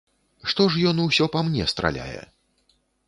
Што ж ён усё па мне страляе?